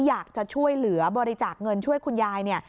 อยากจะช่วยเหลือบริจาคเงินช่วยคุณยายเนี่ย